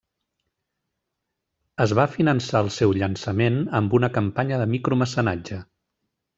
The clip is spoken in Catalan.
Es va finançar el seu llançament amb una campanya de micromecenatge.